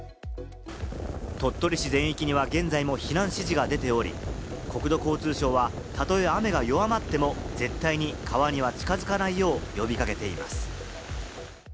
鳥取市全域には今も避難指示が出ており、国土交通省はたとえ雨が弱まっても、絶対に川には近づかないよう呼びかけています。